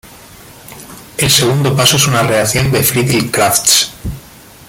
El segundo paso es una reacción de Friedel-Crafts.